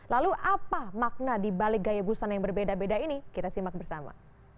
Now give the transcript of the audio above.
lalu apa makna dibalik gaya busana yang berbeda beda ini kita simak bersama